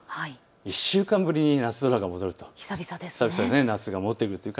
１週間ぶりに夏空が戻ります。